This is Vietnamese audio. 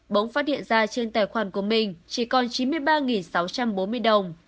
bống phát hiện ra trên tài khoản của mình chỉ còn chín mươi ba sáu trăm bốn mươi đồng